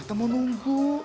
atau mau nunggu